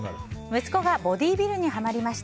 息子がボディービルにはまりました。